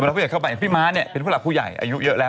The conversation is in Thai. พี่ม้าเนี่ยเป็นผู้หลักผู้ใหญ่อายุเยอะแล้ว